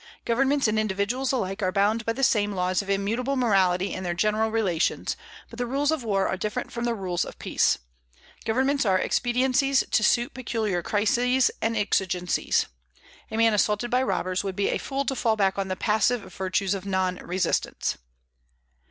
Governments and individuals alike are bound by the same laws of immutable morality in their general relations; but the rules of war are different from the rules of peace. Governments are expediencies to suit peculiar crises and exigencies. A man assaulted by robbers would be a fool to fall back on the passive virtues of non resistance.